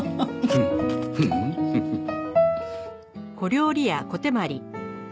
フンフフッ。